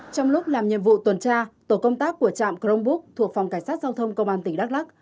trong lúc làm nhiệm vụ tuần tra tổ công tác của trạm grong búc thuộc phòng cảnh sát giao thông công an tỉnh đắk lắc